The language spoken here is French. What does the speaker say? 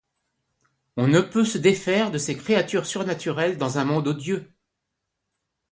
On ne peut se défaire de ces créatures surnaturelles dans un monde odieux.